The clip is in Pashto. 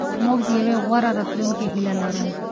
موږ د یوې غوره راتلونکې هیله لرو.